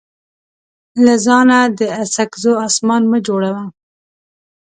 له ځانه د اڅکزو اسمان مه جوړوه.